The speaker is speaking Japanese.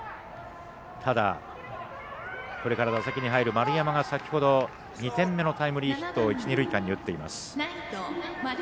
ただ、これから打席に入る丸山が先ほど、２点目のタイムリーヒットを一、二塁間に打っています。